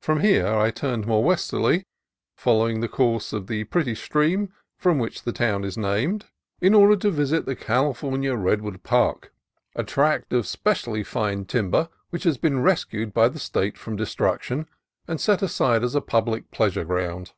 From here I turned more westerly, following the course of the pretty stream from which the town is named, in order to visit the California Redwood Park, a tract THE CALIFORNIA REDWOOD PARK 233 of specially fine timber which has been rescued by the State from destruction and set aside as a public pleasure ground.